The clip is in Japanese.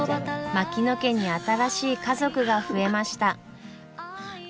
槙野家に新しい家族が増えました。